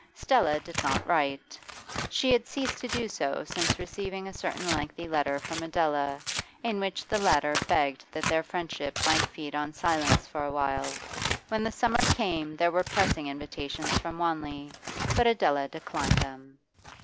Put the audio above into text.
Stella did not write; she had ceased to do so since receiving a certain lengthy letter from Adela, in which the latter begged that their friendship might feed on silence for a while. When the summer came there were pressing invitations from Wanley, but Adela declined them.